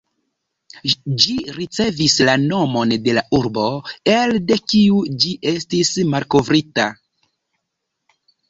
Ĝi ricevis la nomon de la urbo, elde kiu ĝi estis malkovrita.